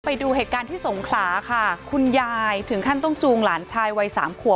ไปดูเหตุการณ์ที่สงขลาค่ะคุณยายถึงขั้นต้องจูงหลานชายวัยสามขวบ